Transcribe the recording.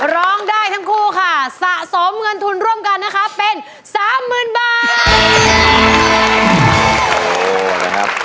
ร้องได้ทั้งคู่ค่ะสะสมเงินทุนร่วมกันนะคะเป็น๓๐๐๐บาท